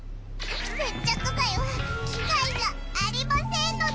接着剤は機械じゃありませんので！